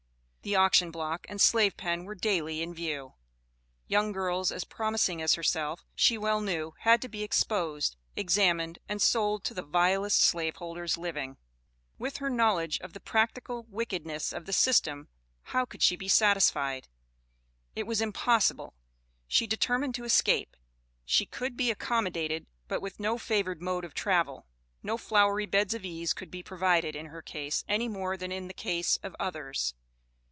The auction block and slave pen were daily in view. Young girls as promising as herself, she well knew, had to be exposed, examined, and sold to the vilest slave holders living. With her knowledge of the practical wickedness of the system, how could she be satisfied? It was impossible! She determined to escape. She could be accommodated, but with no favored mode of travel. No flowery beds of ease could be provided in her case, any more than in the case of others.